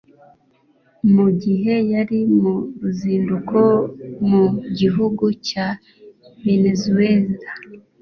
Mu gihe yari mu ruzinduko mu gihugu cya Venezuela